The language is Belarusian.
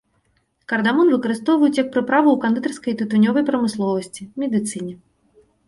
Кардамон выкарыстоўваюць як прыправу ў кандытарскай і тытунёвай прамысловасці, медыцыне.